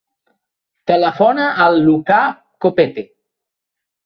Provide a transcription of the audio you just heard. Telefona al Lucà Copete.